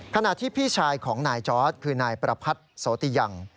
ขณะที่พี่ชายของนายจอร์ดคือนายประพัทธ์โสติยัง